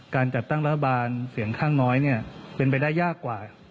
การจัดตั้งรัฐบาลเสียงข้างน้อยเป็นไปได้ยากกว่า